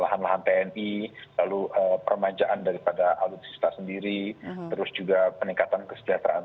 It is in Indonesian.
lahan lahan tni lalu permajaan daripada alutsista sendiri terus juga peningkatan kesejahteraan